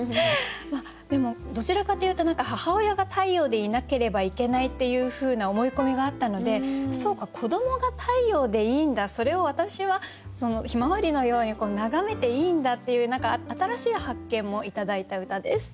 でもどちらかというと何か母親が太陽でいなければいけないっていうふうな思い込みがあったのでそうか子どもが太陽でいいんだそれを私は向日葵のように眺めていいんだっていう何か新しい発見も頂いた歌です。